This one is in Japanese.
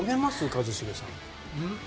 一茂さん。